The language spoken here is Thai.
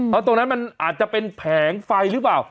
เพราะตรงนั้นมันอาจจะเป็นแผงไฟหรือเปล่า